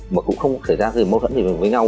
mà cũng không thể ra mâu thuẫn với nhau